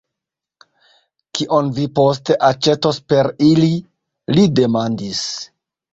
Kion vi poste aĉetos per ili? li demandis.